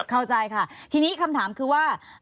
เข้าใจค่ะทีนี้คำถามคือว่า